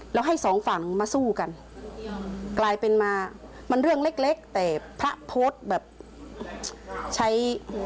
แล้วให้สองฝั่งมาสู้กันกลายเป็นมามันเรื่องเล็กเล็กแต่พระโพสต์แบบใช้